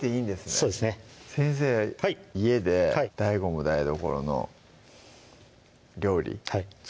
そうですね先生家でＤＡＩＧＯも台所の料理